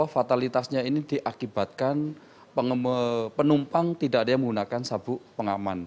fatalitasnya ini diakibatkan penumpang tidak ada yang menggunakan sabuk pengaman